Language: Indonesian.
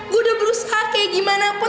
gue udah berusaha kayak gimana pun